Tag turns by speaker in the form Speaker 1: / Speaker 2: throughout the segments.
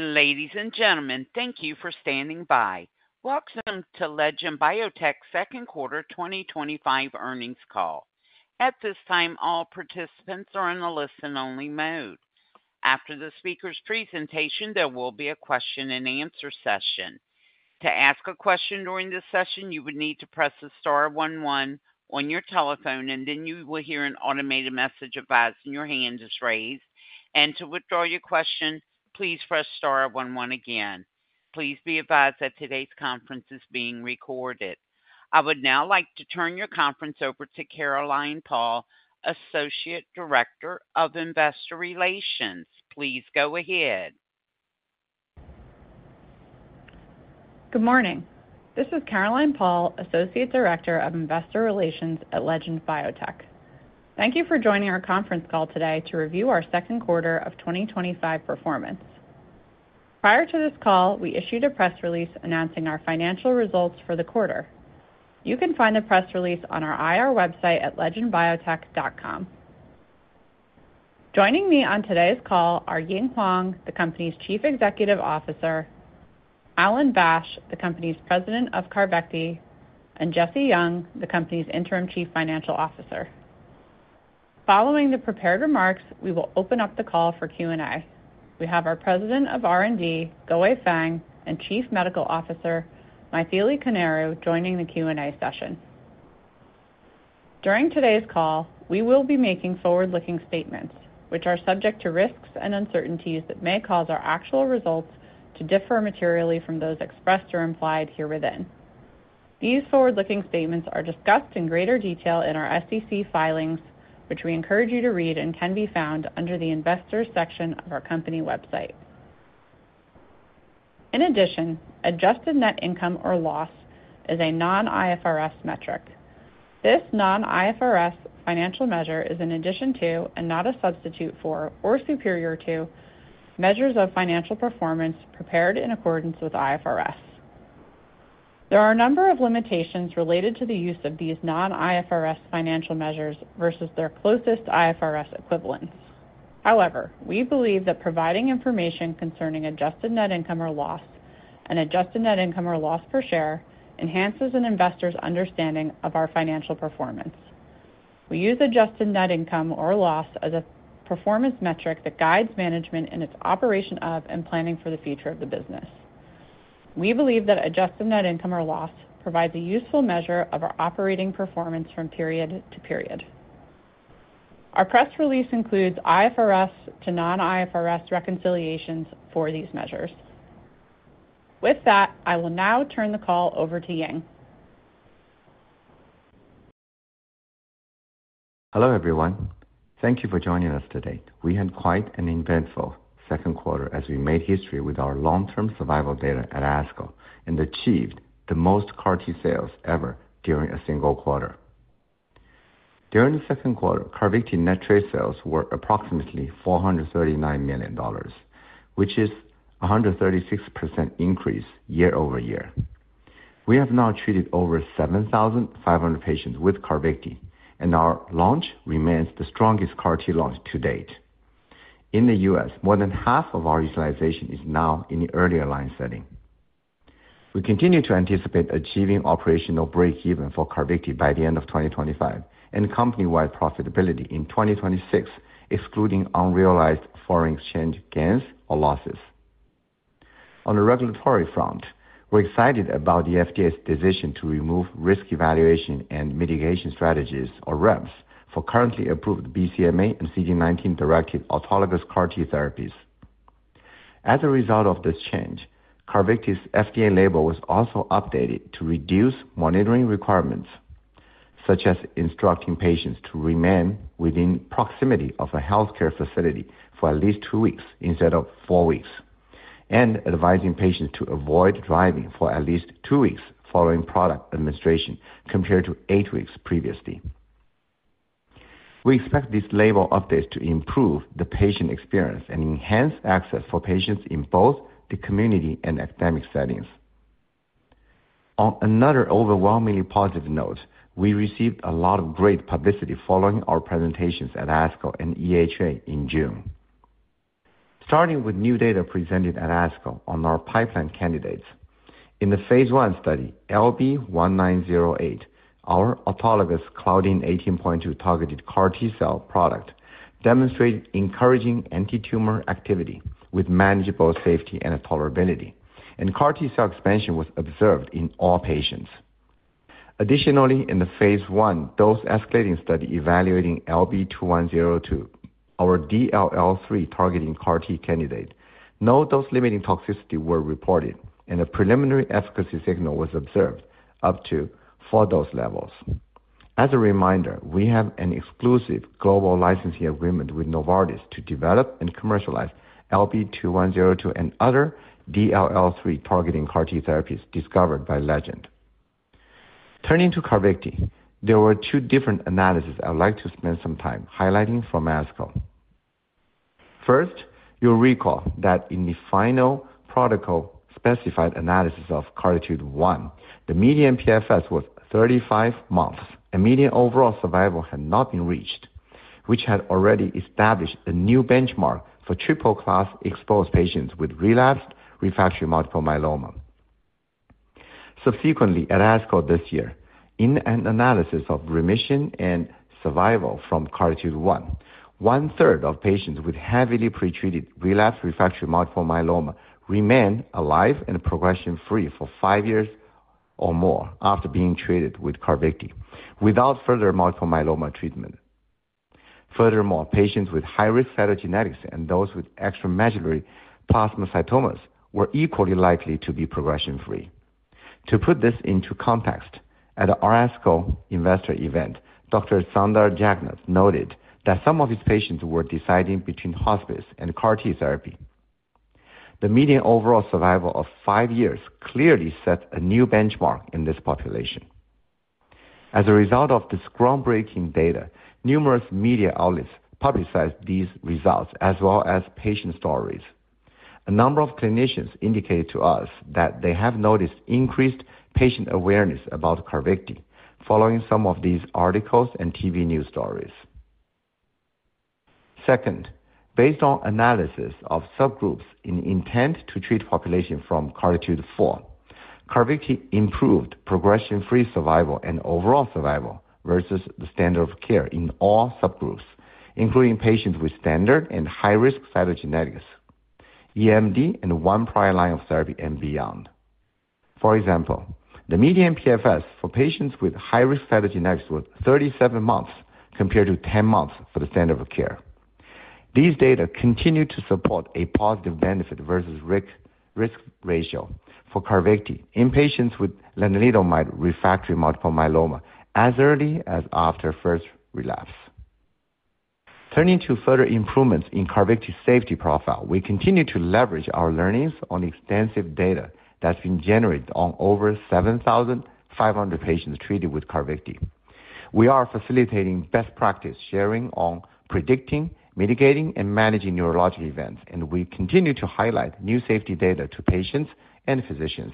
Speaker 1: Ladies and gentlemen, thank you for standing by. Welcome to Legend Biotech second quarter 2025 earnings call. At this time, all participants are in a listen-only mode. After the speaker's presentation, there will be a question and answer session. To ask a question during this session, you would need to press star one one on your telephone and then you will hear an automated message advising your hand is raised, and to withdraw your question, please press star one one again. Please be advised that today's conference is being recorded. I would now like to turn your conference over to Caroline Paul, Associate Director of Investor Relations. Please go ahead.
Speaker 2: Good morning, this is Caroline Paul, Associate Director of Investor Relations at Legend Biotech. Thank you for joining our conference call today to review our second quarter of 2025 performance. Prior to this call, we issued a press release announcing our financial results for the quarter. You can find the press release on our IR website at legendbiotech.com. Joining me on today's call are Ying Huang, the company's Chief Executive Officer, Alan Bash, the company's President of CARVYKTI, and Jessie Yeung, the company's Interim Chief Financial Officer. Following the prepared remarks, we will open up the call for Q&A. We have our President of R&D, Guowei Fang, and Chief Medical Officer Mythili Koneru joining the Q&A session. During today's call, we will be making forward-looking statements which are subject to risks and uncertainties that may cause our actual results to differ materially from those expressed or implied here. These forward-looking statements are discussed in greater detail in our SEC filings, which we encourage you to read and can be found under the Investors section of our company website. In addition, adjusted net income or loss is a non-IFRS metric. This non-IFRS financial measure is in addition to and not a substitute for or superior to measures of financial performance prepared in accordance with IFRS. There are a number of limitations related to the use of these non-IFRS financial measures versus their closest IFRS equivalents. However, we believe that providing information concerning adjusted net income or loss and adjusted net income or loss per share enhances an investor's understanding of our financial performance. We use adjusted net income or loss as a performance metric that guides management in its operation of and planning for the future of the business. We believe that adjusted net income or loss provides a useful measure of our operating performance from period to period. Our press release includes IFRS to non-IFRS reconciliations for these measures. With that, I will now turn the call over to Ying.
Speaker 3: Hello everyone. Thank you for joining us today. We had quite an eventful second quarter as we made history with our long-term survival data at ASCO and achieved the most CAR-T sales ever during a single quarter. During the second quarter, CARVYKTI net trade sales were approximately $439 million, which is a 136% increase year-over-year. We have now treated over 7,500 patients with CARVYKTI and our launch remains the strongest CAR-T launch to date in the U.S. More than half of our utilization is now in the early line setting. We continue to anticipate achieving operational breakeven for CARVYKTI by the end of 2025 and company-wide profitability in 2026, excluding unrealized foreign exchange gains or losses. On the regulatory front, we're excited about the FDA's decision to remove REMS requirements for currently approved BCMA and CD19-directed autologous CAR-T therapies. As a result of this change, CARVYKTI's FDA label was also updated to reduce monitoring requirements, such as instructing patients to remain within proximity of a healthcare facility for at least two weeks instead of four weeks, and advising patients to avoid driving for at least two weeks following product administration compared to eight weeks previously. We expect these label updates to improve the patient experience and enhance access for patients in both the community and academic settings. On another overwhelmingly positive note, we received a lot of great publicity following our presentations at ASCO and EHA in June, starting with new data presented at ASCO on our pipeline candidates. In the Phase I study LB1908, our autologous Claudin 18.2-targeted CAR-T cell product demonstrated encouraging antitumor activity with manageable safety and tolerability, and CAR-T cell expansion was observed in all patients. Additionally, in the Phase I dose-escalating study evaluating LB2102, our DLL3-targeting CAR-T candidate, no dose-limiting toxicities were reported and a preliminary efficacy signal was observed up to four dose levels. As a reminder, we have an exclusive global licensing agreement with Novartis to develop and commercialize LB2102 and other DLL3-targeting CAR-T therapies discovered by Legend. Turning to CARVYKTI, there were two different analyses I would like to spend some time highlighting from ASCO. First, you'll recall that in the final protocol specified analysis of CARTITUDE-1, the median PFS was 35 months and median overall survival had not been reached, which had already established a new benchmark for triple class exposed patients with relapsed, refractory multiple myeloma. Subsequently, at ASCO this year, in an analysis of remission and survival from CARTITUDE-1, one third of patients with heavily pretreated relapsed refractory multiple myeloma remain alive and progression free for five years or more after being treated with CARVYKTI without further multiple myeloma treatment. Furthermore, patients with high risk cytogenetics and those with extramedullary plasmacytomas were equally likely to be progression free. To put this into context, at the ASCO investor event, Dr. Sundar Jagannath noted that some of his patients were deciding between hospice and CAR-T therapy. The median overall survival of five years clearly set a new benchmark in this population. As a result of this groundbreaking data, numerous media outlets publicized these results as well as patient stories. A number of clinicians indicated to us that they have noticed increased patient awareness about CARVYKTI following some of these articles and TV news stories. Second, based on analysis of subgroups in intent to treat population from CARTITUDE-4, CARVYKTI improved progression free survival and overall survival versus the standard of care in all subgroups including patients with standard and high risk cytogenetics, EMD and one prior line of therapy and beyond. For example, the median PFS for patients with high risk cytogenetics was 37 months compared to 10 months for the standard of care. These data continue to support a positive benefit versus risk ratio for CARVYKTI in patients with lenalidomide refractory multiple myeloma as early as after first relapse. Turning to further improvements in CARVYKTI safety profile, we continue to leverage our learnings on extensive data that's been generated on over 7,500 patients treated with CARVYKTI. We are facilitating best practice sharing on predicting, mitigating and managing neurologic events and we continue to highlight new safety data to patients and physicians.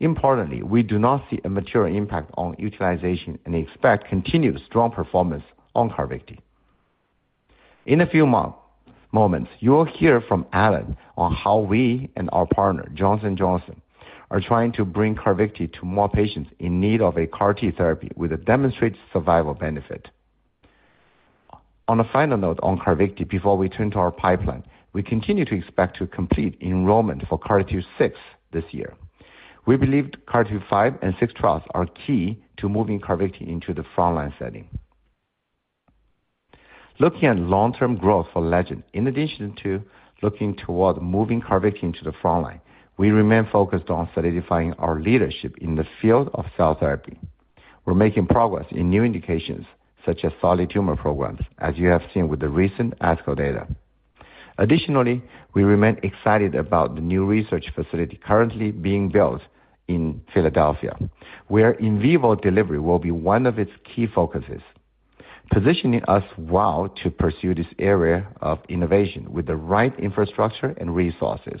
Speaker 3: Importantly, we do not see a material impact on utilization and expect continued strong performance on CARVYKTI. In a few moments you will hear from Alan Bash on how we and our partner Johnson & Johnson are trying to bring CARVYKTI to more patients in need of a CAR-T therapy with a demonstrated survival benefit. On a final note on CARVYKTI before we turn to our pipeline, we continue to expect to complete enrollment for CARTITUDE-6 this year. We believe CARTITUDE-5 and 6 trials are key to moving CARVYKTI into the frontline setting. Looking at long-term growth for Legend Biotech, in addition to looking toward moving CARVYKTI to the frontline, we remain focused on solidifying our leadership in the field of cell therapy. We're making progress in new indications such as solid tumor programs as you have seen with the recent ASCO data. Additionally, we remain excited about the new research facility currently being built in Philadelphia where in vivo delivery will be one of its key focuses, positioning us well to pursue this area of innovation with the right infrastructure and resources.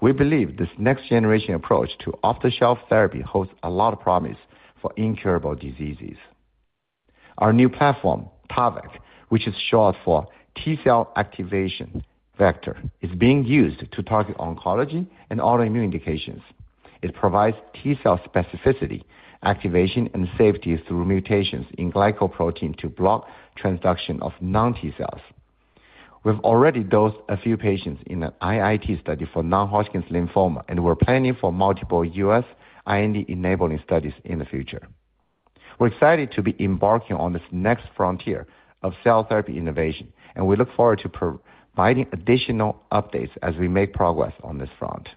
Speaker 3: We believe this next-generation approach to off-the-shelf therapy holds a lot of promise for incurable diseases. Our new platform, TARVEC, which is short for T Cell Activation Vector, is being used to target oncology and autoimmune indications. It provides T cell specificity, activation, and safety through mutations in glycoprotein to block transduction of non-T cells. We've already dosed a few patients in an IIT study for non-Hodgkin's lymphoma and we're planning for multiple U.S. IND enabling studies in the future. We're excited to be embarking on this next frontier of cell therapy innovation and we look forward to providing additional updates as we make progress on this front.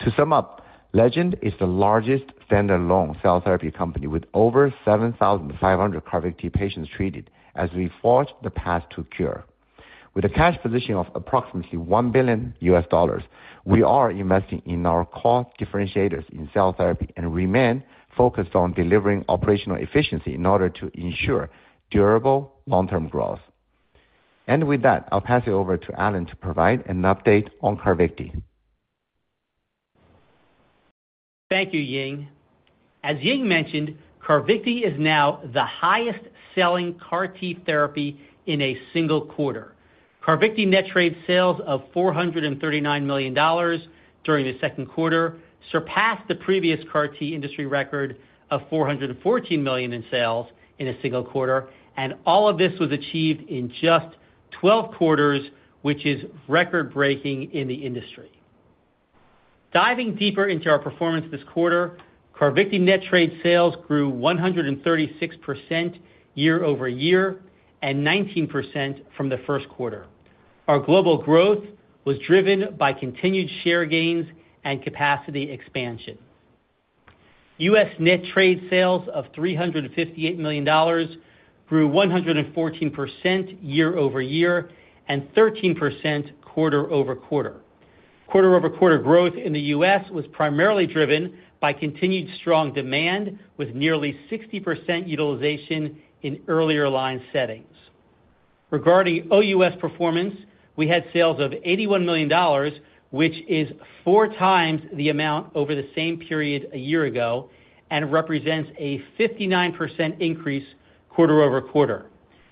Speaker 3: To sum up, Legend Biotech is the largest standalone cell therapy company with over 7,500 CARVYKTI patients treated as we forge the path to cure. With a cash position of approximately $1 billion, we are investing in our core differentiators in cell therapy and remain focused on delivering operational efficiency in order to ensure durable long-term growth. With that, I'll pass it over to Alan Bash to provide an update on CARVYKTI.
Speaker 4: Thank you, Ying. As Ying mentioned, CARVYKTI is now the highest selling CAR-T therapy in a single quarter. CARVYKTI net trade sales of $439 million during the second quarter surpassed the previous CAR-T industry record of $414 million in sales in a single quarter, and all of this was achieved in just 12 quarters, which is record breaking in the industry. Diving deeper into our performance this quarter, CARVYKTI net trade sales grew 136% year-over-year and 19% from the first quarter. Our global growth was driven by continued share gains and capacity expansion. U.S. net trade sales of $358 million grew 114% year-over-year and 13% quarter-over-quarter. quarter-over-quarter growth in the U.S. was primarily driven by continued strong demand with nearly 60% utilization in earlier line settings. Regarding OU.S. performance, we had sales of $81 million, which is four times the amount over the same period a year ago and represents a 59% increase quarter-over-quarter.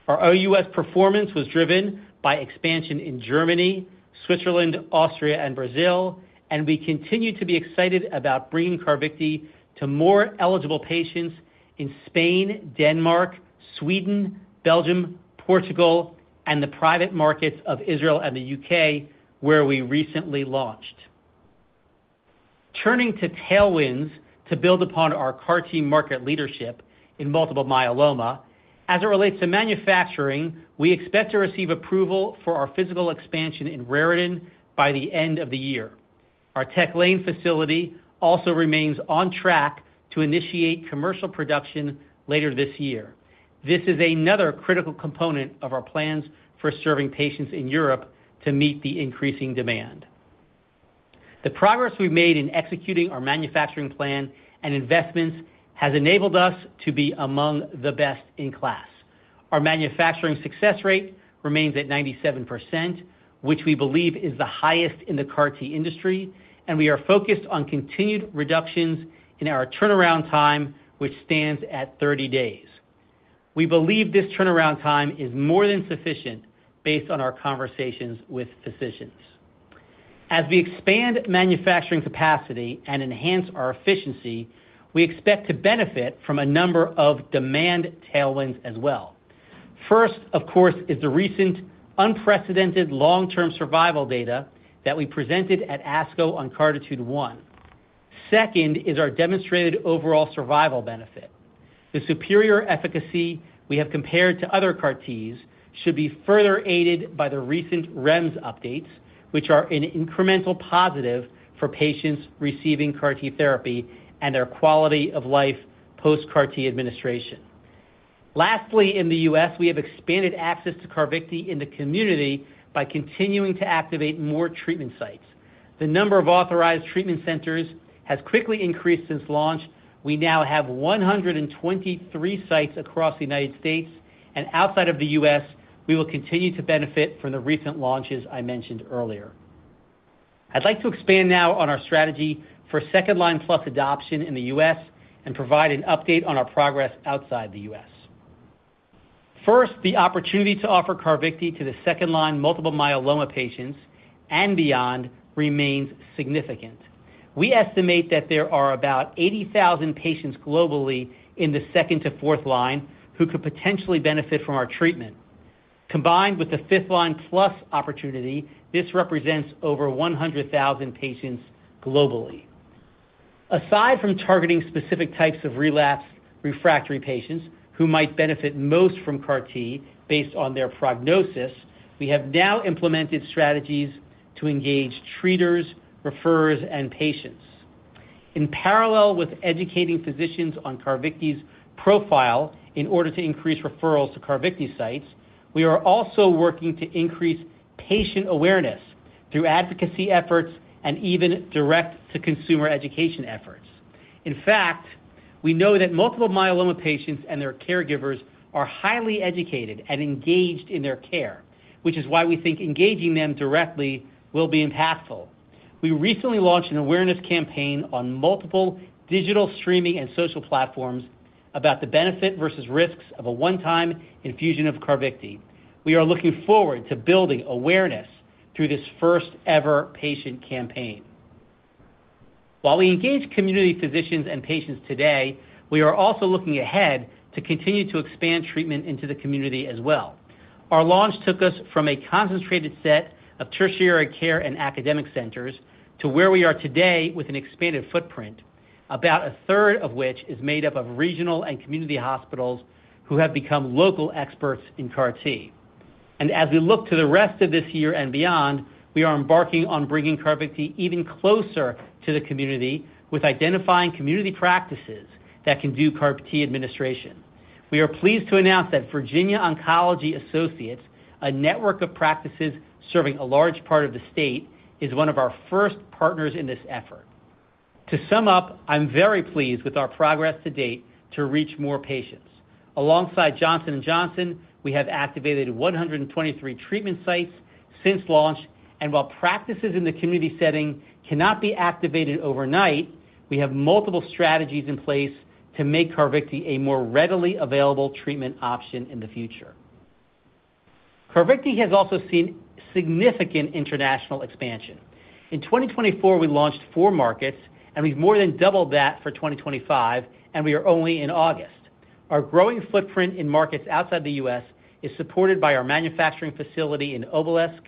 Speaker 4: Our OUS performance was driven by expansion in Germany, Switzerland, Austria, and Brazil, and we continue to be excited about bringing CARVYKTI to more eligible patients in Spain, Denmark, Sweden, Belgium, Portugal, and the private markets of Israel and the U.K., where we recently launched. Turning to tailwinds to build upon our CAR-T market leadership in multiple myeloma as it relates to manufacturing, we expect to receive approval for our physical expansion in Raritan by the end of the year. Our Tech Lane facility also remains on track to initiate commercial production later this year. This is another critical component of our plans for serving patients in Europe to meet the increasing demand. The progress we've made in executing our manufacturing plan and investments has enabled us to be among the best in class. Our manufacturing success rate remains at 97%, which we believe is the highest in the CAR-T industry, and we are focused on continued reductions in our turnaround time, which stands at 30 days. We believe this turnaround time is more than sufficient based on our conversations with physicians. As we expand manufacturing capacity and enhance our efficiency, we expect to benefit from a number of demand tailwinds as well. First, of course, is the recent unprecedented long-term survival data that we presented at ASCO on CARTITUDE-1. Second is our demonstrated overall survival benefit. The superior efficacy we have compared to other CAR-Ts should be further aided by the recent REMS updates, which are an incremental positive for patients receiving CAR-T therapy and their quality of life post CAR-T administration. Lastly, in the U.S., we have expanded access to CARVYKTI in the community by continuing to activate more treatment sites. The number of authorized treatment centers has quickly increased since launch. We now have 123 sites across the United States, and outside of the U.S., we will continue to benefit from the recent launches I mentioned earlier. I'd like to expand now on our strategy for second line plus adoption in the U.S. and provide an update on our progress outside the U.S. First, the opportunity to offer CARVYKTI to the second line multiple myeloma patients and beyond remains significant. We estimate that there are about 80,000 patients globally in the second to fourth line who could potentially benefit from our treatment. Combined with the fifth line plus opportunity, this represents over 100,000 patients globally. Aside from targeting specific types of relapsed refractory patients who might benefit most from CAR-T based on their prognosis, we have now implemented strategies to engage treaters, referrers, and patients in parallel with educating physicians on CARVYKTI's profile in order to increase referrals to CARVYKTI sites. We are also working to increase patient awareness through advocacy efforts and even direct-to-consumer education efforts. In fact, we know that multiple myeloma patients and their caregivers are highly educated and engaged in their care, which is why we think engaging them directly will be impactful. We recently launched an awareness campaign on multiple digital, streaming, and social platforms about the benefit versus risks of a one-time infusion of CARVYKTI. We are looking forward to building awareness through this first ever patient campaign. While we engage community physicians and patients today, we are also looking ahead to continue to expand treatment into the community as well. Our launch took us from a concentrated set of tertiary care and academic centers to where we are today with an expanded footprint, about a third of which is made up of regional and community hospitals who have become local experts in CAR-T. As we look to the rest of this year and beyond, we are embarking on bringing CARVYKTI even closer to the community by identifying community practices that can do CARVYKTI administration. We are pleased to announce that Virginia Oncology Associates, a network of practices serving a large part of the state, is one of our first partners in this effort. To sum up, I'm very pleased with our progress to date to reach more patients. Alongside Johnson & Johnson, we have activated 123 treatment sites since launch, and while practices in the community setting cannot be activated overnight, we have multiple strategies in place to make CARVYKTI a more readily available treatment option in the future. CARVYKTI has also seen significant international expansion. In 2024, we launched four markets, and we've more than doubled that for 2025, and we are only in August. Our growing footprint in markets outside the U.S. is supported by our manufacturing facility in Raritan,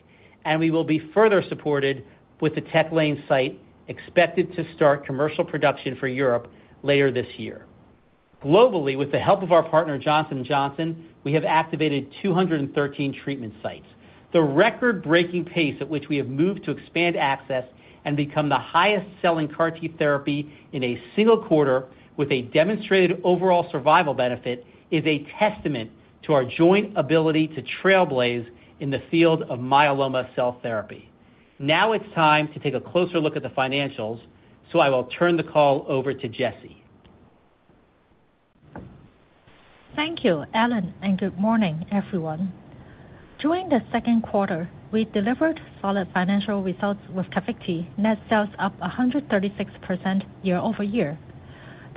Speaker 4: and we will be further supported with the Tech Lane site expected to start commercial production for Europe later this year. Globally, with the help of our partner Johnson & Johnson, we have activated 213 treatment sites. The record-breaking pace at which we have moved to expand access and become the highest selling CAR-T therapy in a single quarter with a demonstrated overall survival benefit is a testament to our joint ability to trailblaze in the field of myeloma cell therapy. Now it's time to take a closer look at the financials, so I will turn the call over to Jessie.
Speaker 5: Thank you, Alan, and good morning, everyone. During the second quarter, we delivered solid financial results with CARVYKTI net sales up 136% year-over-year.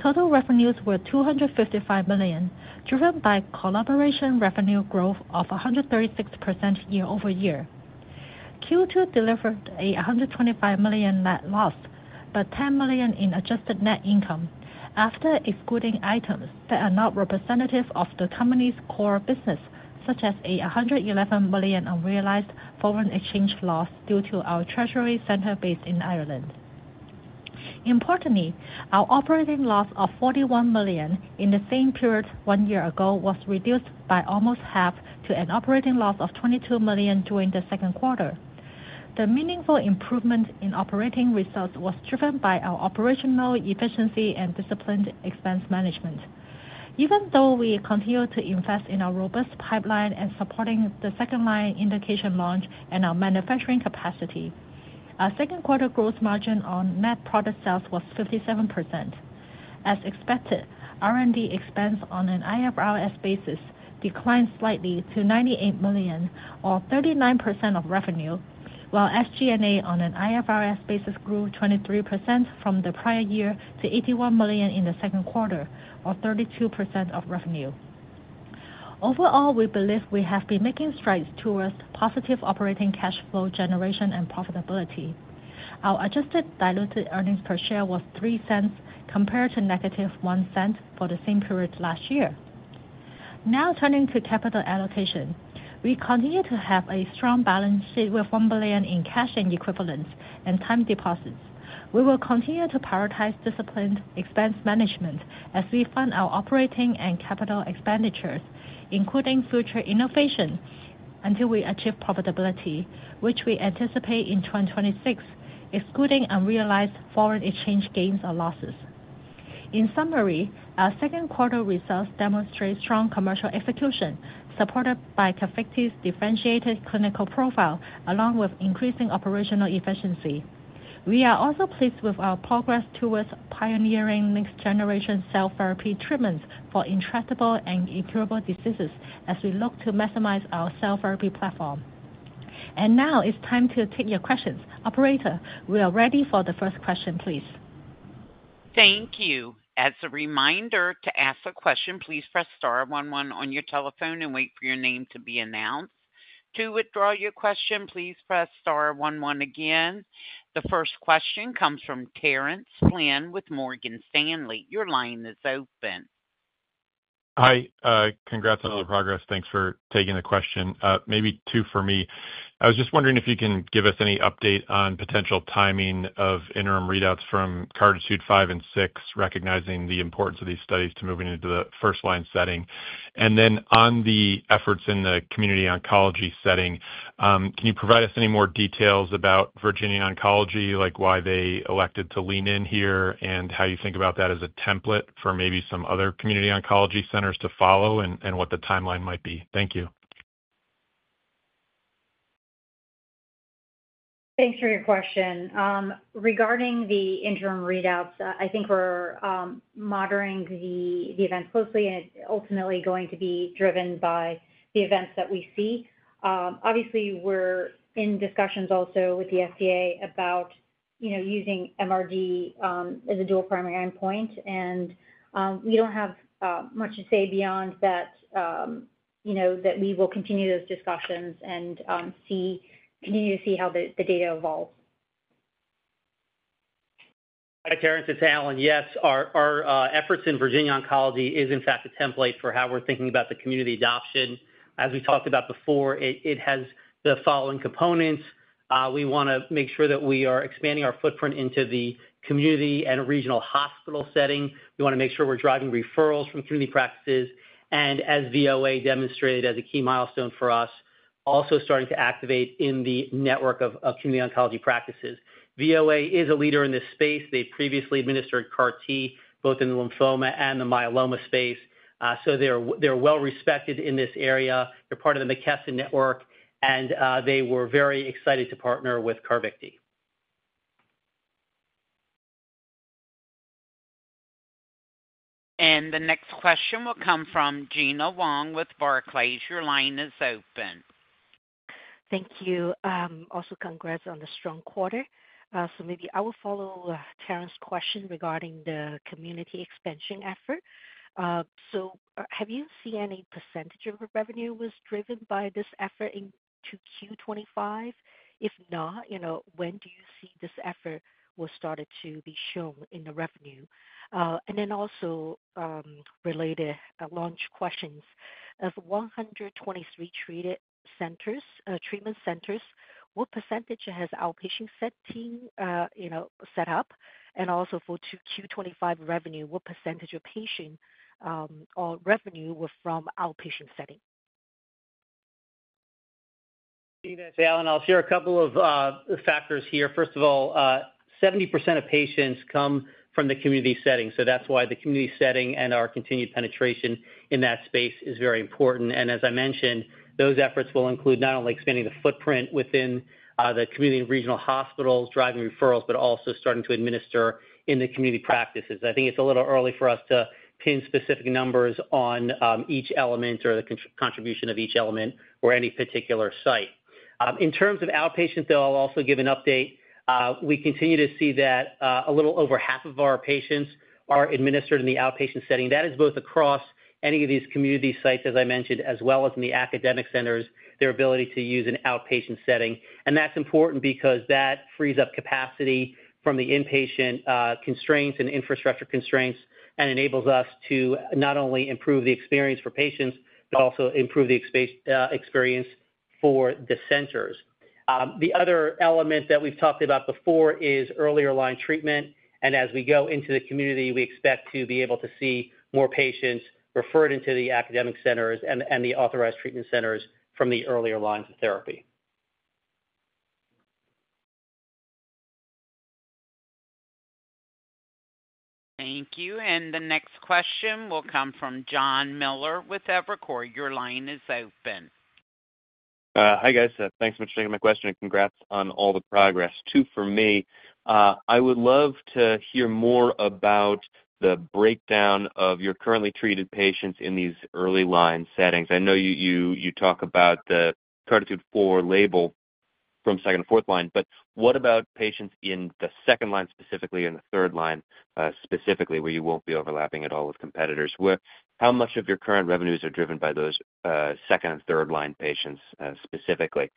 Speaker 5: Total revenues were $255 million, driven by collaboration revenue growth of 136% year-over-year. Q2 delivered a $125 million net loss, but $10 million in adjusted net income after excluding items that are not representative of the company's core business, such as a $111 million unrealized foreign exchange loss due to our treasury center based in Ireland. Importantly, our operating loss of $41 million in the same period one year ago was reduced by almost half to an operating loss of $22 million during the second quarter. The meaningful improvement in operating result was driven by our operational efficiency and disciplined expense management. Even though we continue to invest in our robust pipeline and supporting the second line indication launch and our manufacturing capacity, our second quarter gross margin on net product sales was 57%. As expected, R&D expense on an IFRS basis declined slightly to $98 million or 39% of revenue, while SG&A on an IFRS basis grew 23% from the prior year to $81 million in the second quarter or 32% of revenue. Overall, we believe we have been making strides towards positive operating cash flow generation and profitability. Our adjusted diluted earnings per share was $0.03 compared to negative $0.01 for the same period last year. Now, turning to capital allocation, we continue to have a strong balance sheet with $1 billion in cash and equivalents and time deposits. We will continue to prioritize disciplined expense management as we fund our operating and capital expenditures, including future innovation, until we achieve profitability, which we anticipate in 2026, excluding unrealized foreign exchange gains or losses. In summary, our second quarter results demonstrate strong commercial execution supported by CARVYKTI's differentiated clinical profile, along with increasing operational efficiency. We are also pleased with our progress towards pioneering next generation cell therapy treatments for intractable and incurable diseases as we look to maximize our cell therapy platform. Now it's time to take your questions. Operator, we are ready for the first question, please.
Speaker 1: Thank you. As a reminder to ask a question, please press star one one on your telephone and wait for your name to be announced. To withdraw your question, please press star one one again. The first question comes from Terence Flynn with Morgan Stanley. Your line is open.
Speaker 6: Hi. Congrats on all the progress. Thanks for taking the question. Maybe two for me. I was just wondering if you can give any update on potential timing of interim readouts from CARTITUDE-5 and 6, recognizing the importance of these studies to moving into the first line setting, and then on the efforts in the community oncology setting. Can you provide us any more details about Virginia Oncology Associates, like why they elected to lean in here and how you think about that as a template for maybe some other community oncology centers to follow and what the timeline might be. Thank you.
Speaker 7: Thanks for your question regarding the interim readouts. I think we're monitoring the events closely and ultimately going to be driven by the events that we see. Obviously, we're in discussions also with the FDA about, you know, using MRD as a dual primary endpoint. We don't have much to say beyond that. We will continue those discussions and continue to see how the data evolves.
Speaker 4: Hi, Terence, it's Alan. Yes, our efforts in Virginia Oncology is in fact a template for how we're thinking about the community adoption. As we talked about before, it has the following components. We want to make sure that we are expanding our footprint into the community and regional hospital setting. We want to make sure we're driving referrals from community practices, and as Virginia Oncology Associates demonstrated as a key milestone for us, also starting to activate in the network of community oncology practices. Virginia Oncology Associates is a leader in this space. They previously administered CAR-T both in the lymphoma and the myeloma space, so they're well respected in this area. They're part of the McKesson network, and they were very excited to partner with CARVYKTI.
Speaker 1: The next question will come from Gena Wang with Barclays. Your line is open.
Speaker 8: Thank you. Also, congrats on the strong quarter. Maybe I will follow Terence's question regarding the community expansion effort. Have you seen any percentage of revenue was driven by this effort into Q2 2025? If not, when do you see this effort will start to be shown in the revenue, and then also related launch questions. Of 123 treated centers, treatment centers, what percentage has outpatient setting set up? Also, for Q2 2025 revenue, what % of patient or revenue were from outpatient setting?
Speaker 4: That's Alan, I'll share a couple of factors here. First of all, 70% of patients come from the community setting. That's why the community setting and our continued penetration in that space is very important. As I mentioned, those efforts will include not only expanding the footprint within the community and regional hospitals, driving referrals, but also starting to administer in the community practices. I think it's a little early for us to pin specific numbers on each element or the contribution of each element or any particular site. In terms of outpatient, though, I'll also give an update. We continue to see that a little over half of our patients are administered in the outpatient setting. That is both across any of these community sites, as I mentioned, as well as in the academic centers, their ability to use an outpatient setting. That's important because that frees up capacity from the inpatient constraints and infrastructure constraints and enables us to not only improve the experience for patients, but also improve the experience for the centers. The other element that we've talked about before is earlier line treatment. As we go into the community, we expect to be able to see more patients referred into the academic centers and the authorized treatment centers from the earlier lines of therapy.
Speaker 1: Thank you. The next question will come from Jonathan Miller with Evercore. Your line is open.
Speaker 9: Hi guys, thanks so much for taking my question, and congrats on all the progress. Two for me. I would love to hear more about. The breakdown of your currently treated patients in these early line settings. I know you talk about the CARTITUDE-4 label from second to fourth line, but what about patients in the second line specifically, in the third line specifically, where you won't be overlapping at all with competitors? How much of your current revenues are driven by those second and third line patients specifically?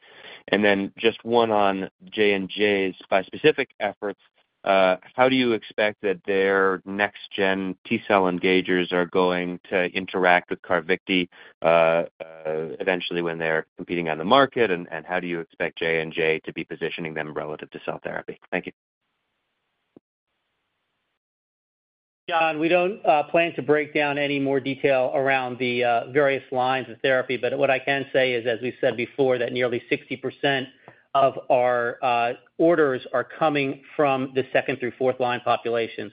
Speaker 9: Just one on Johnson & Johnson's bispecific efforts, how do you expect that their next gen T cell engagers are going to interact with CARVYKTI eventually when they're competing on the market? How do you expect Johnson & Johnson to be positioning them relative to cell therapy? Thank you.
Speaker 4: We don't plan to break down any more detail around the various lines of therapy. What I can say is, as we said before, that nearly 60% of our orders are coming from the second through fourth line population.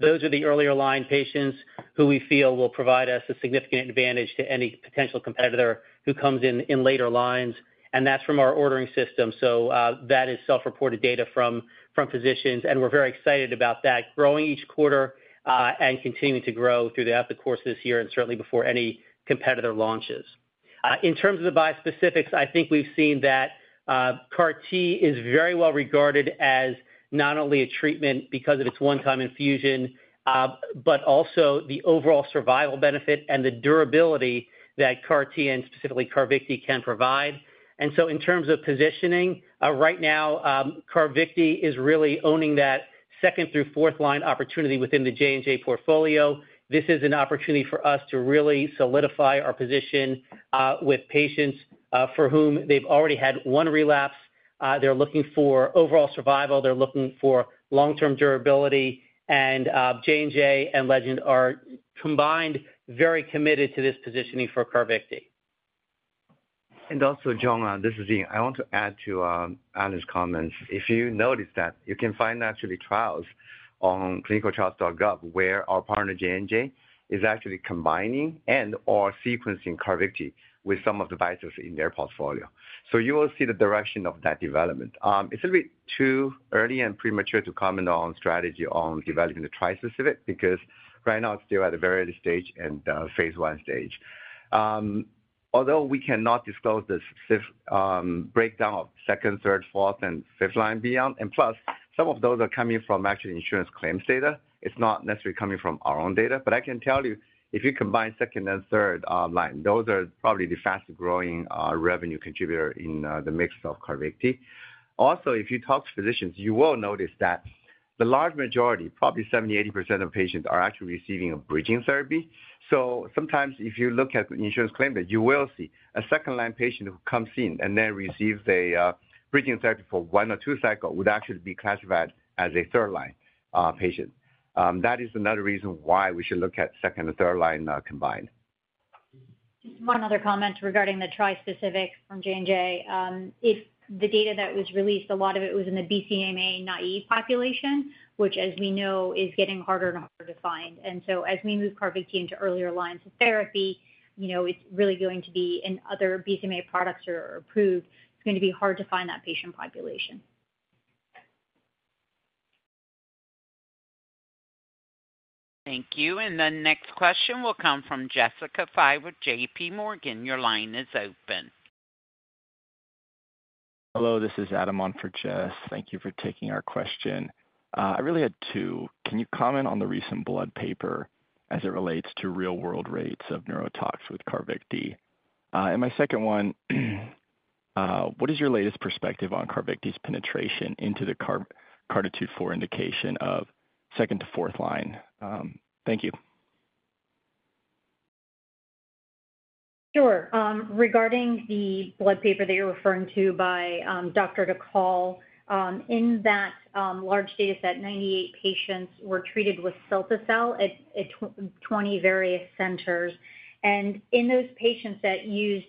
Speaker 4: Those are the earlier line patients who we feel will provide us a significant advantage to any potential competitor who comes in later lines. That's from our ordering system. That is self-reported data from physicians and we're very excited about that growing each quarter and continuing to grow throughout the course of this year and certainly before any competitor launches. In terms of the bispecifics, I think we've seen that CAR-T is very well regarded as not only a treatment because of its one time infusion, but also the overall survival benefit and the durability that CAR-T and specifically CARVYKTI can provide. In terms of positioning, right now CARVYKTI is really owning that second through fourth line opportunity within the Johnson & Johnson portfolio. This is an opportunity for us to really solidify our position with patients for whom they've already had one relapse. They're looking for overall survival. They're looking for long term durability and Johnson & Johnson and Legend Biotech are combined, very committed to this positioning for CARVYKTI.
Speaker 3: This is Ying. I want to add to Alan's comments. If you notice, you can find actually trials on clinicaltrials.gov where our partner Johnson & Johnson is actually combining and or sequencing CARVYKTI with some of the bispecifics in their portfolio. You will see the direction of that development. It's a bit too early and premature to comment on strategy on developing the trispecific because right now it's still at the very early stage and phase one stage. Although we cannot disclose this breakdown of second, third, fourth, and fifth line beyond, and plus some of those are coming from actually insurance claims data. It's not necessarily coming from our own data, but I can tell you if you combine second and third line, those are probably the fastest growing revenue contributor in the mix of CARVYKTI. If you talk to physicians, you will notice that the large majority, probably 70%-80% of patients, are actually receiving a bridging therapy. Sometimes if you look at insurance claims, you will see a second line patient who comes in and then receives a bridging therapy for one or two cycles would actually be classified as a third line patient. That is another reason why we should look at second and third line combined.
Speaker 7: One other comment regarding the trispecifics from Johnson & Johnson. It's the data that was released, a lot of it was in the BCMA-naive population, which as we know is getting harder and harder to find. As we move CARVYKTI into earlier lines of therapy, it's really going to be, if other BCMA products are approved, it's going to be hard to find that patient population.
Speaker 1: Thank you. The next question will come from Jessica Fye with J.P. Morgan. Your line is open. Hello, this is Adam on for Jess. Thank you for taking our question. I really had two. Can you comment on the recent Blood paper as it relates to real world rates of neurotox with CARVYKTI? My second one, what is your latest perspective on CARVYKTI's penetration into the CARTITUDE-4 indication of second to fourth line? Thank you.
Speaker 7: Sure. Regarding the Blood paper that you're referring to by Dr. Dacall, in that large data set, 98 patients were treated with CARVYKTI at 20 various centers. In those patients that used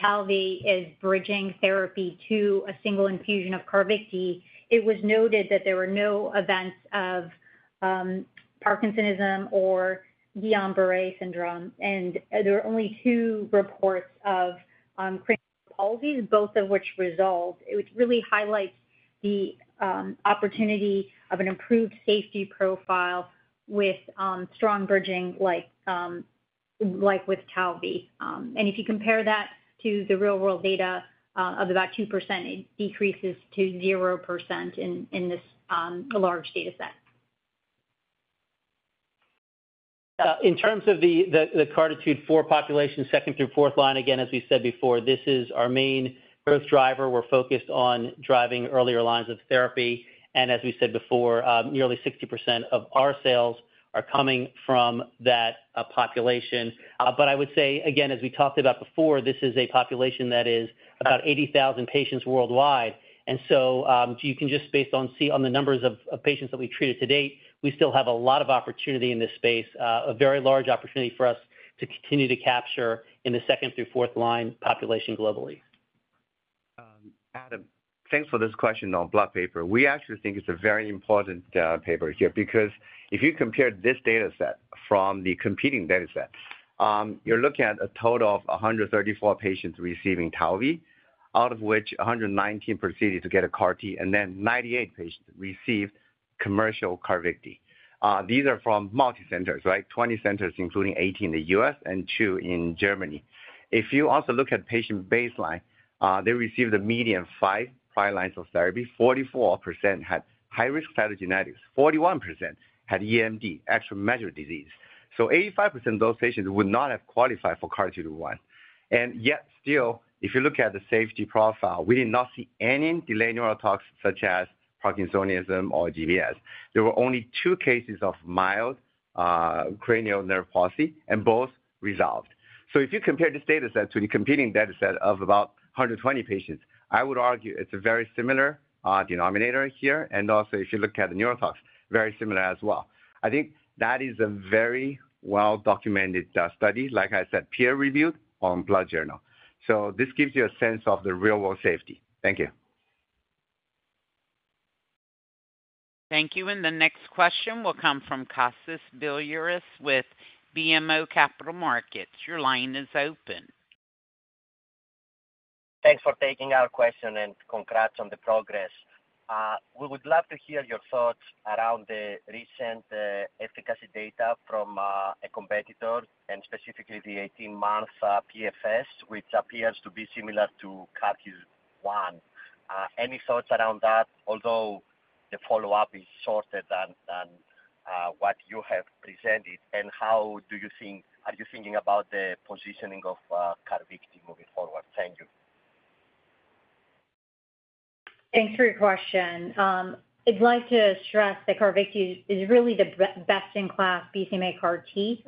Speaker 7: TALVEY as bridging therapy to a single infusion of CARVYKTI, it was noted that there were no events of parkinsonism or Guillain-Barré syndrome, and there are only two reports of ICANS, both of which resolved. It really highlights the opportunity of an improved safety profile with strong bridging like with TALVEY. If you compare that to the real-world data of about 2%, it decreases to 0% in this large data set.
Speaker 4: In terms of the CARTITUDE-4 population, second to fourth line, again as we said before, this is our main growth driver. We're focused on driving earlier lines of therapy and as we said before, nearly 60% of our sales are coming from that population. I would say again as we talked about before, this is a population that is about 80,000 patients worldwide. You can just based on see on the numbers of patients that we treated to date, we still have a lot of opportunity in this space, a very large opportunity for us to continue to capture in the second to fourth line population globally.
Speaker 3: Adam, thanks for this question on Blood paper. We actually think it's a very important paper here because if you compare this data set from the competing dataset, you're looking at a total of 134 patients receiving TALVEY, out of which 119 proceeded to get a CAR-T, and then 98 patients received commercial CARVYKTI. These are from multi centers, right? 20 centers including 18 in the U.S. and two in Germany. If you also look at patient baseline, they received the median five prior lines of therapy. 44% had high-risk cytogenetics, 41% had EMD, extramedullary disease. 85% of those patients would not have qualified for CARTITUDE-1. Yet still, if you look at the safety profile, we did not see any delayed neurotox such as parkinsonism or GBS. There were only two cases of mild cranial nerve palsy, and both resolved. If you compare this data set to the competing data set of about 120 patients, I would argue it's a very similar denominator here. Also, if you look at the neurotox, very similar as well. I think that is a very well-documented study, like I said, peer-reviewed on Blood Journal. This gives you a sense of the real-world safety. Thank you.
Speaker 1: Thank you. The next question will come from Kostas Biliouris with BMO Capital Markets. Your line is open.
Speaker 10: Thanks for taking our question and congrats on the progress. We would love to hear your thoughts around the recent efficacy data from a competitor and specifically the 18 month PFS which appears to be similar to CARTITUDE-1. Any thoughts around that? Although the follow-up is shorter than what you have presented, how do you think, are you thinking about the positioning of CARVYKTI moving forward? Thank you.
Speaker 7: Thanks for your question. I'd like to stress that CARVYKTI is really the best in class BCMA CAR-T.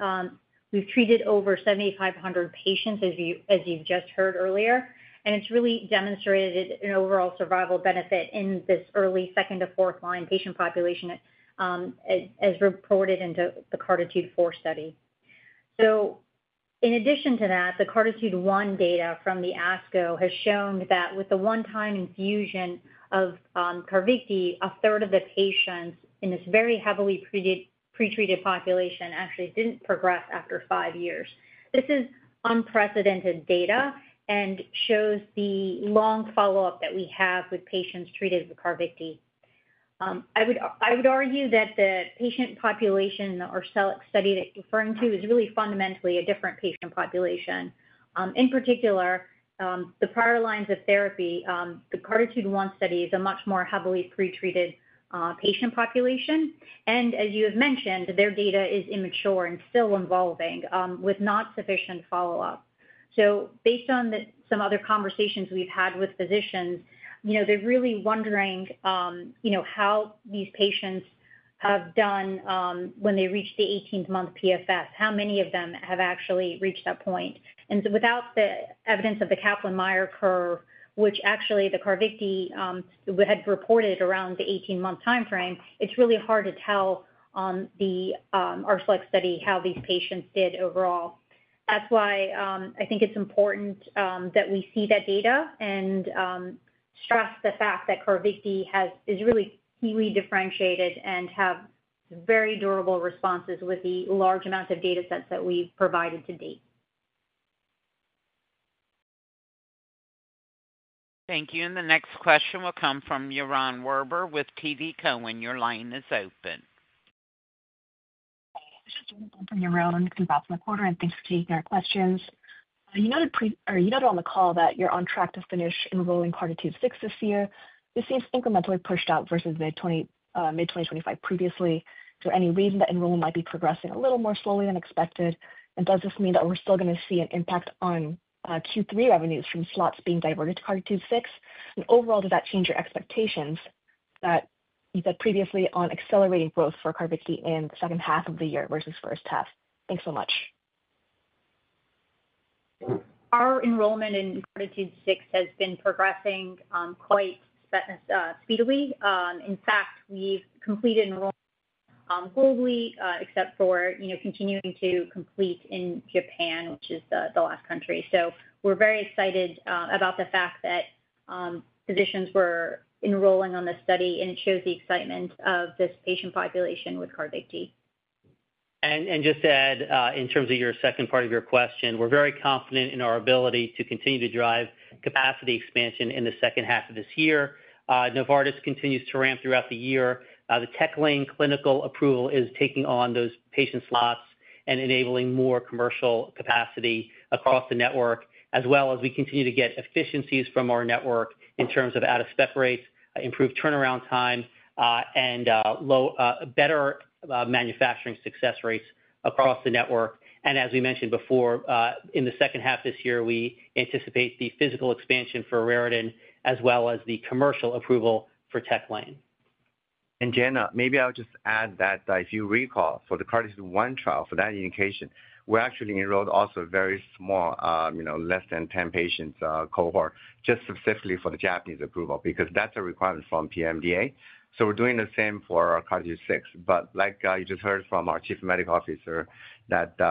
Speaker 7: We've treated over 7,500 patients as you just heard earlier, and it's really demonstrated an overall survival benefit in this early second to fourth line patient population as reported in the CARTITUDE-4 study. In addition to that, the CARTITUDE-1 data from ASCO has shown that with the one time infusion of CARVYKTI, a third of the patients in this very heavily pretreated population actually didn't progress after five years. This is unprecedented data and shows the long follow up that we have with patients treated with CARVYKTI. I would argue that the patient population or cell study that you're referring to is really fundamentally a different patient population, in particular the prior lines of therapy. The CARTITUDE-1 study is a much more heavily pretreated patient population and as you have mentioned, their data is immature and still evolving with not sufficient follow up. Based on some other conversations we've had with physicians, they're really wondering how these patients have done when they reach the 18th month PFS, how many of them have actually reached that point. Without the evidence of the Kaplan-Meier curve, which actually the CARVYKTI had reported around the 18 month timeframe, it's really hard to tell on the RFLEX study how these patients did overall. That's why I think it's important that we see that data and stress the fact that CARVYKTI is really key differentiated and has very durable responses with the large amount of data sets that we've provided to date.
Speaker 1: Thank you. The next question will come from Yaron Werber with TD Cowen. Your line is open.
Speaker 11: This is from Yaron, if you bought from the quarter. Thank you for taking our questions. You noted on the call that you're. On track to finish enrolling CARTITUDE-6 this year. This seems incrementally pushed out versus the mid-2025 previously. Is there any reason that enrollment might be progressing a little more slowly than expected? Does this mean that we're still going to see an impact on Q3 revenues from slots being diverted to CARTITUDE-6? Overall, does that change your expectations that you said previously on accelerating growth for CARVYKTI in the second half of the year versus first half? Thanks so much.
Speaker 7: Our enrollment in CARTITUDE-6 has been progressing quite speedily. In fact, we've completed enrollment globally, except for continuing to complete in Japan, which is the last country. We're very excited about the fact that physicians were enrolling on the study, and it shows the excitement of this patient population with CARVYKTI. Just.
Speaker 4: To add in terms of your second part of your question, we're very confident in our ability to continue to drive capacity expansion in the second half of this year. Novartis continues to ramp throughout the year. The Tech Lane clinical approval is taking on those patient slots and enabling more commercial capacity across the network as we continue to get efficiencies from our network in terms of out of spec rates, improved turnaround time, and better manufacturing success rates across the network. As we mentioned before, in the second half this year we anticipate the physical expansion for Raritan as well as the commercial approval for Tech Lane.
Speaker 3: Jana, maybe I'll just add that if you recall for the CARTITUDE-1 trial for that indication we actually enrolled also very small, less than 10 patients cohort just specifically for the Japanese approval because that's a requirement from PMDA. We're doing the same for CARTITUDE-6. Like you just heard from our Chief Medical Officer,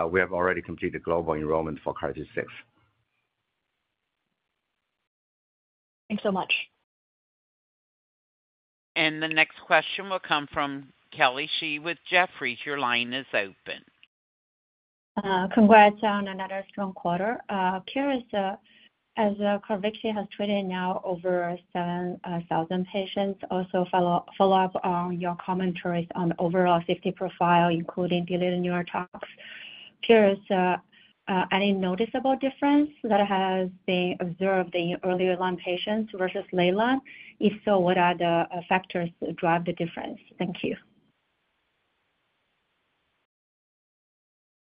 Speaker 3: we have already completed global enrollment for CARTITUDE-6.
Speaker 11: Thanks so much.
Speaker 1: The next question will come from Kelly Shi with Jefferies. Your line is open.
Speaker 12: Congrats on another strong quarter. As CARVYKTI has treated now over 7,000 patients. Also, follow up on your commentaries on overall safety profile including delayed neurotox. Curious, any noticeable difference that has been observed in earlier line patients versus late line? If so, what are the factors that drive the difference? Thank you.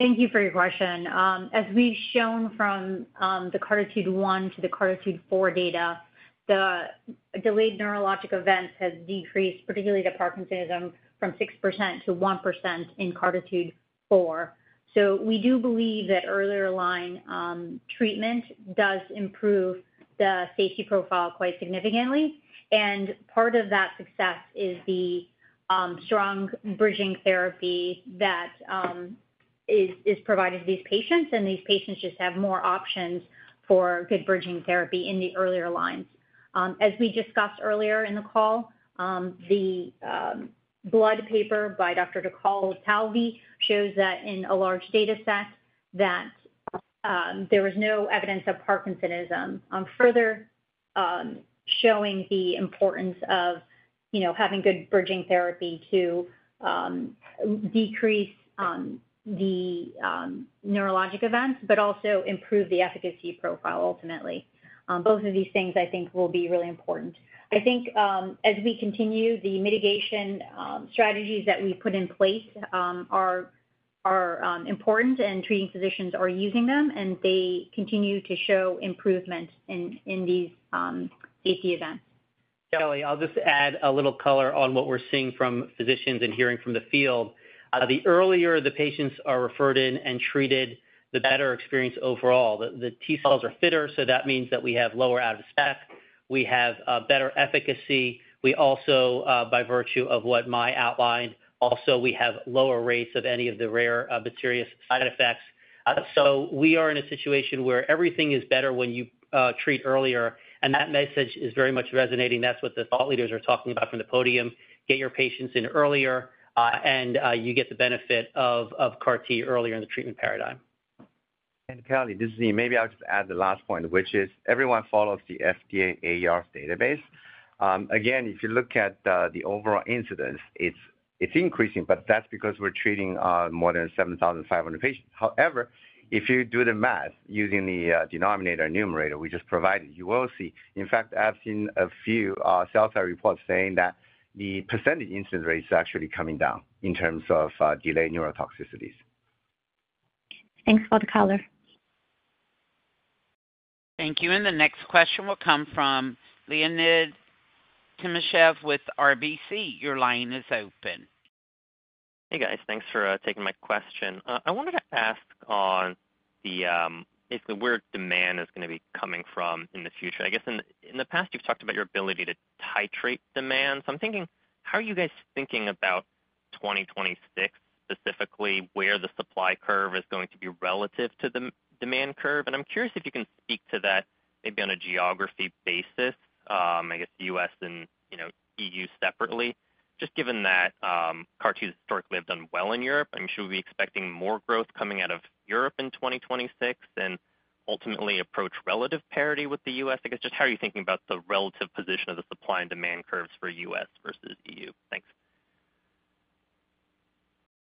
Speaker 7: Thank you for your question. As we've shown from the CARTITUDE-1 to the CARTITUDE-4 data, the delayed neurologic events have decreased, particularly the parkinsonism, from 6% to 1% in CARTITUDE-4. We do believe that earlier line treatment does improve the safety profile quite significantly. Part of that success is the strong bridging therapy that is provided to these patients. These patients just have more options for good bridging therapy in the earlier lines. As we discussed earlier in the call, the Blood paper by Dr. Dicol Talvi shows that in a large data set there was no evidence of parkinsonism, further showing the importance of having good bridging therapy to decrease the neurologic events but also improve the efficacy profile. Ultimately, both of these things I think will be really important. I think as we continue, the mitigation strategies that we put in place are important and treating physicians are using them, and they continue to show improvement in these AP events.
Speaker 4: Kelly, I'll just add a little color on what we're seeing from physicians and hearing from the field. The earlier the patients are referred in and treated, the better experience. Overall, the T cells are fitter. That means that we have lower out of spec, we have better efficacy. We also, by virtue of what Mai outlined, have lower rates of any of the rare bacterial side effects. We are in a situation where everything is better when you treat earlier. That message is very much resonating. That's what the thought leaders are talking about from the podium. Get your patients in earlier and you get the benefit of CAR-T earlier in the treatment paradigm.
Speaker 3: Callie, this is Ian. Maybe I'll just add the last point, which is everyone follows the FDA AER database. If you look at the overall incidence, it's increasing, but that's because we're treating more than 7,500 patients. However, if you do the math using the denominator numerator we just provided, you will see, in fact, I've seen a few cilta reports saying that the % incidence rate is actually coming down in terms of delayed neurotoxicities.
Speaker 12: Thanks for the color.
Speaker 1: Thank you. The next question will come from Leonid Timashev with RBC. Your line is open.
Speaker 13: Hey guys, thanks for taking my question. I wanted to ask on where demand. Is going to be coming from in the future. I guess in the past you've talked about your ability to titrate demand. I'm thinking, how are you guys? Thinking about 2026 specifically, where the supply. Curve is going to be relative to the demand curve? I'm curious if you can speak to that. Maybe on a geography basis, I guess the U.S. and EU separately, just given that CAR-T historically have done well in Europe, should we expect. More growth coming out of Europe in 2026 and ultimately approach relative parity with the U.S. I guess just how are you thinking about the relative position of. The supply and demand curves for U.S. versus EU? Thanks.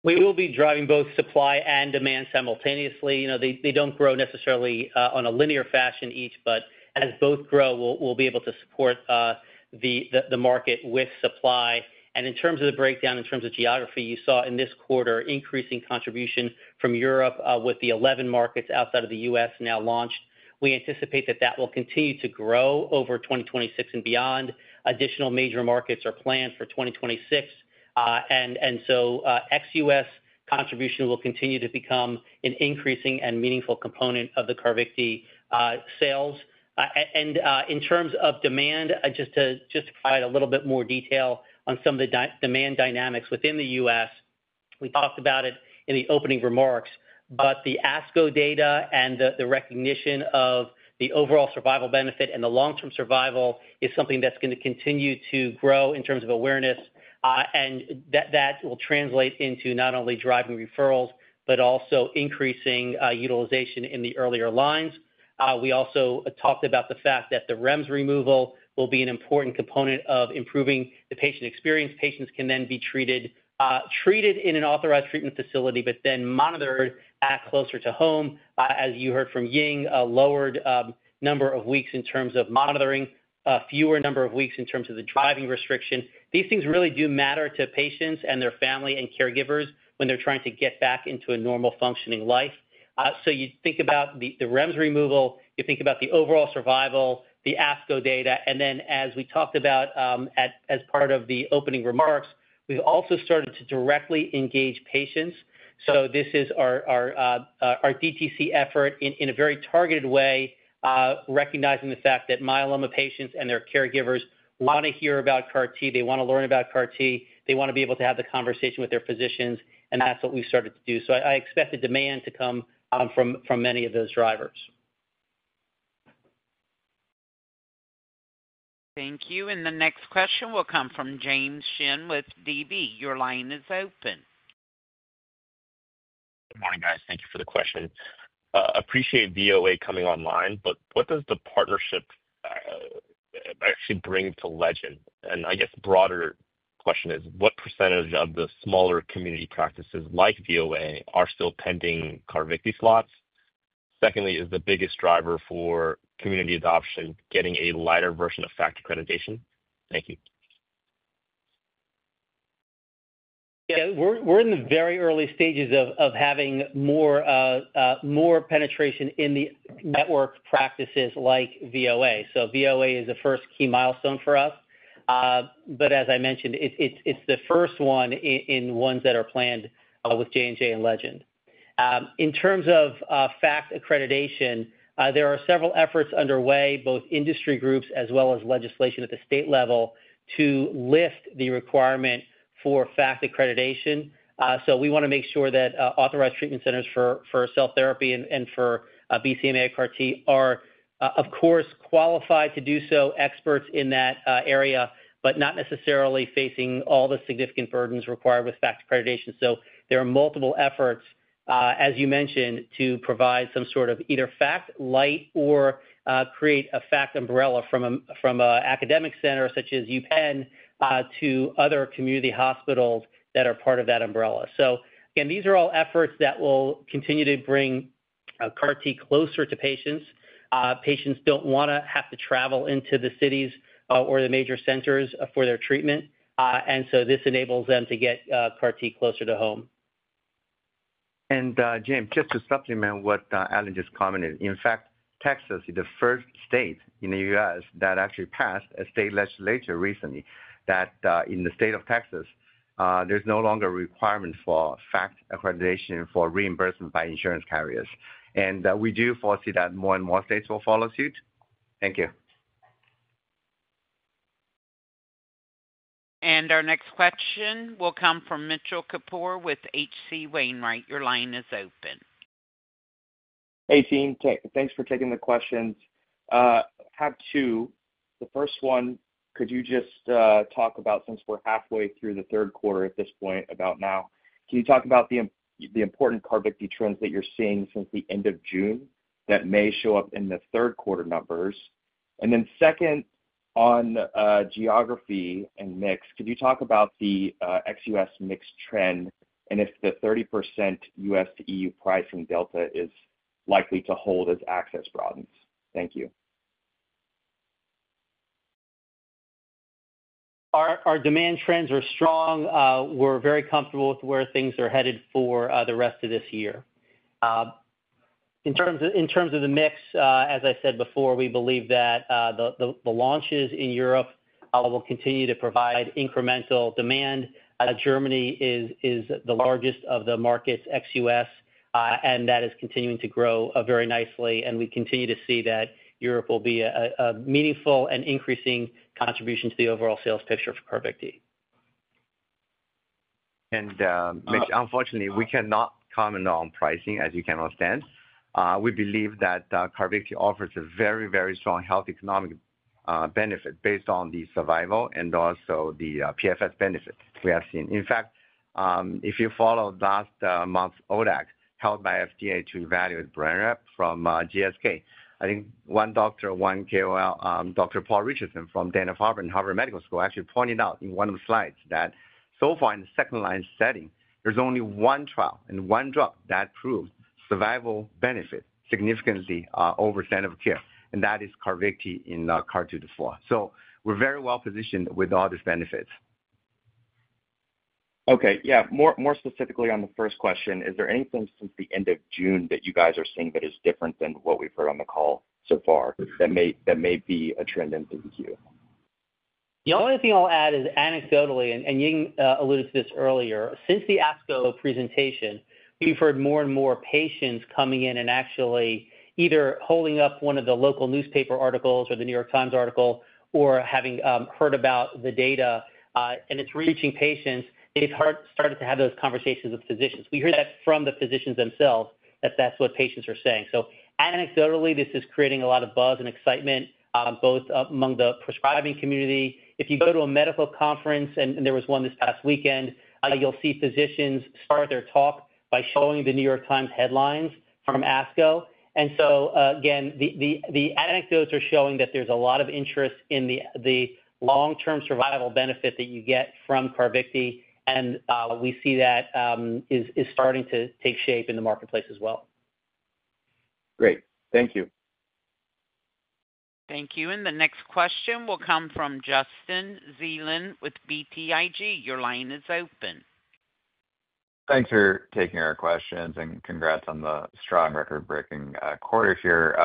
Speaker 4: We will be driving both supply and demand simultaneously. They don't grow necessarily in a linear fashion each, but as both grow, we'll be able to support the market with supply. In terms of the breakdown in terms of geography, you saw in this quarter increasing contribution from Europe with the 11 markets outside of the U.S. now launched. We anticipate that will continue to grow over 2026 and beyond. Additional major markets are planned for 2026, and so ex-U.S. contribution will continue to become an increasing and meaningful component of the CARVYKTI sales. In terms of demand, just to add a little bit more detail on some of the demand dynamics within the U.S., we talked about it in the opening remarks. The ASCO data and the recognition of the overall survival benefit and the long-term survival is something that's going to continue to grow in terms of awareness, and that will translate into not only driving referrals, but also increasing utilization. In the earlier lines, we also talked about the fact that the REMS removal will be an important component of improving the patient experience. Patients can then be treated in an authorized treatment facility, but then monitored closer to home. As you heard from Ying, a lowered number of weeks in terms of monitoring, fewer number of weeks in terms of the driving restriction. These things really do matter to patients and their family and caregivers when they're trying to get back into a normal functioning life. If you think about the REMS removal, you think about the overall survival, the ASCO data. As we talked about as part of the opening remarks, we've also started to directly engage patients. This is our DTC effort in a very targeted way, recognizing the fact that myeloma patients and their caregivers want to hear about CAR-T, they want to learn about CAR-T, they want to be able to have the conversation with their physicians, and that's what we started to do. I expect the demand to come from many of those drivers.
Speaker 1: Thank you. The next question will come from James Shin with DB. Your line is open.
Speaker 14: Good morning, guys. Thank you for the question. Virginia Oncology Associates coming online, but what does the partnership actually bring to Legend? I guess broader question is what percent of the smaller community practices like Virginia Oncology Associates are still pending CARVYKTI slots. Secondly, is the biggest driver for community adoption getting a lighter version of FACT accreditation? Thank you.
Speaker 4: We're in the very early stages of having more penetration in the network practices like Virginia Oncology Associates. Virginia Oncology Associates is the first key milestone for us, but as I mentioned, it's the first one in ones that are planned with Johnson & Johnson and Legend Biotech. In terms of FACT accreditation, there are several efforts underway, both industry groups as well as legislation at the state level to lift the requirement for FACT accreditation. We want to make sure that authorized treatment centers for cell therapy and for BCMA-directed CAR-T therapy are of course qualified to do so, experts in that area, but not necessarily facing all the significant burdens required with FACT accreditation. There are multiple efforts, as you mentioned, to provide some sort of either FACT light or create a FACT umbrella from an academic center such as UPenn to other community hospitals that are part of that umbrella. These are all efforts that will continue to bring CAR-T closer to patients. Patients don't want to have to travel into the cities or the major centers for their treatment, and this enables them to get CAR-T closer to home.
Speaker 3: James, just to supplement what Alan just commented, in fact, Texas is the first state in the U.S. that actually passed a state legislature recently that in the state of Texas there's no longer requirement for FACT accreditation for reimbursement by insurance carriers. We do foresee that more and more states will follow suit. Thank you.
Speaker 1: Our next question will come from Mitchell Kapoor with H.C. Wainwright. Your line is open.
Speaker 15: Hey Gena, thanks for taking the questions. Have two. The first one, could you just talk about, since we're halfway through the third quarter at this point about now, can you talk about the important CARVYKTI trends that you're seeing since the end of June that may show up in the third quarter numbers? Then second, on geography and mix, could you talk about the ex-U.S. mix trend and if the 30% U.S. to EU pricing delta is likely to hold as access broadens? Thank you.
Speaker 4: Our demand trends are strong. We're very comfortable with where things are headed for the rest of this year in terms of the mix. As I said before, we believe that the launches in Europe will continue to provide incremental demand. Germany is the largest of the markets ex U.S., and that is continuing to grow very nicely. We continue to see that Europe will be a meaningful and increasing contribution to the overall sales picture for CARVYKTI.
Speaker 3: Mitch, unfortunately, we cannot comment on pricing as you can understand. We believe that CARVYKTI offers a very, very strong health economic benefit based on the survival and also the PFS benefit we have seen. In fact, if you follow last month's ODAC held by the FDA to evaluate Blenrep from GSK, I think one doctor, one KOL, Dr. Paul Richardson from Dana-Farber and Harvard Medical School, actually pointed out in one of the slides that so far in the second line setting there's only one trial and one drug that proves survival benefit significantly over standard of care, and that is CARVYKTI in CARTITUDE-4. We are very well positioned with all these benefits.
Speaker 15: More specifically on the first question, is there anything since the end of June that you guys are seeing that is different than what we've heard on the call so far that may be a trend in ThinkQ?
Speaker 4: The only thing I'll add is anecdotally, and Ying alluded to this earlier. Since the ASCO presentation, we've heard more and more patients coming in and actually either holding up one of the local newspaper articles or the New York Times article, or having heard about the data and it's reaching patients, they've started to have those conversations with physicians. We hear that from the physicians themselves that that's what patients are saying. Anecdotally, this is creating a lot of buzz and excitement both among the prescribing community. If you go to a medical conference, and there was one this past weekend, you'll see physicians start their talk by showing the New York Times headlines from ASCO. The anecdotes are showing that there's a lot of interest in the long term survival benefit that you get from CARVYKTI. We see that is starting to take shape in the marketplace as well.
Speaker 15: Great, thank you.
Speaker 1: Thank you. The next question will come from Justin Zelin with BTIG. Your line is open.
Speaker 16: Thanks for taking our questions and congrats on the strong record-breaking quarters here.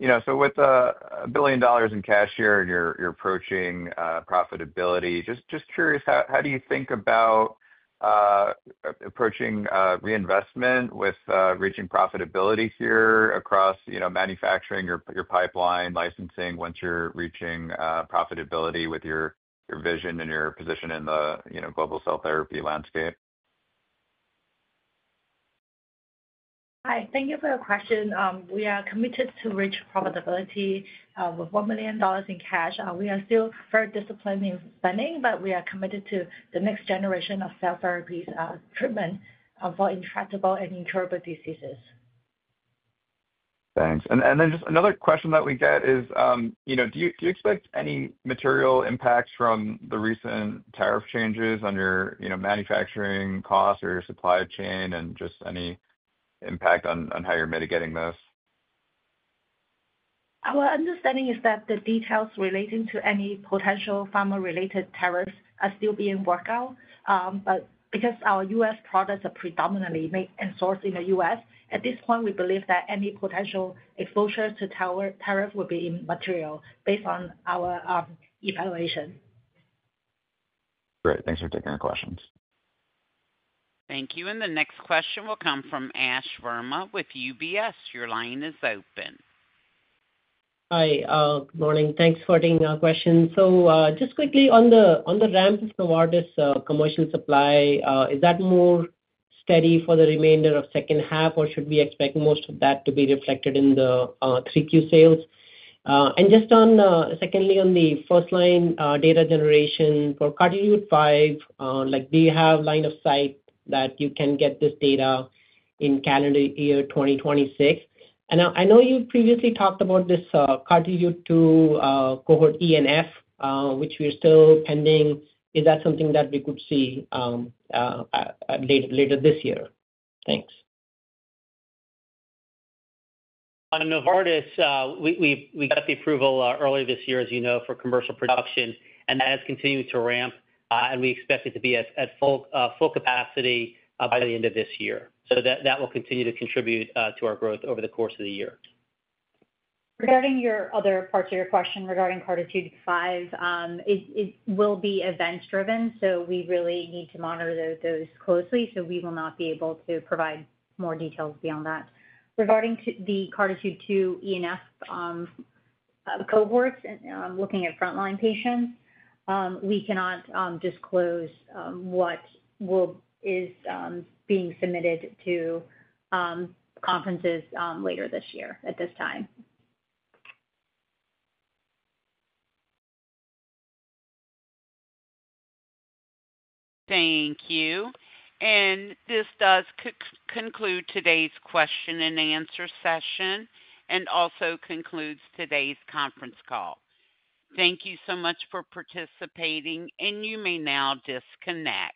Speaker 16: With $1 billion in cash here and you're approaching profitability, just curious, how do you think about approaching reinvestment with reaching profitability here across manufacturing, your pipeline, licensing, once you're reaching profitability with your vision and your position in the global cell therapy landscape.
Speaker 7: Hi, thank you for your question. We are committed to reach profitability with $1 million in cash. We are still disciplined in funding, but we are committed to the next generation of cell therapies, treatment for intractable and incurable diseases.
Speaker 16: Thanks. Just another question that we get is, do you expect any material impacts from the recent tariff changes on your manufacturing costs or supply chain, and any impact on how you're mitigating this?
Speaker 5: Our understanding is that the details relating to any potential pharma related tariffs are still being worked out. Because our U.S. products are predominantly made and sourced in the U.S. at this point, we believe that any potential exposure to tariffs will be immaterial based on our evaluation.
Speaker 16: Great, thanks for taking the questions.
Speaker 1: Thank you. The next question will come from Ashwani Verma with UBS. Your line is open.
Speaker 17: Hi, good morning. Thanks for taking our question. Just quickly, on the ramp of commercial supply, is that more steady for the remainder of the second half, or should we expect most of that to be reflected in the 3Q sales? Secondly, on the first line data generation for CARTITUDE-5, do you have line of sight that you can get this data in calendar year 2026? I know you previously talked about this CARTITUDE-2 cohort E and F, which are still pending. Is that something that we could see later this year? Thanks.
Speaker 4: On Novartis, we got the approval earlier this year, as you know, for commercial production, and that has continued to ramp. We expect it to be at full capacity by the end of this year. That will continue to contribute to our growth over the course of the year.
Speaker 7: Regarding your other parts of your question regarding CARTITUDE-5, it will be events driven, so we really need to monitor those closely. We will not be able to provide more details beyond that. Regarding the CARTITUDE-2 E and F cohorts looking at frontline patients, we cannot disclose what is being submitted to conferences later this year at this time.
Speaker 1: Thank you. This does conclude today's question and answer session and also concludes today's conference call. Thank you so much for participating and you may now disconnect.